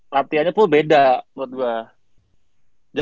latihannya pun beda menurut gue